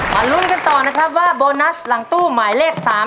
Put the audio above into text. มารู้ด้วยกันต่อว่าโบนัสหลังตู้หมายเลขสาม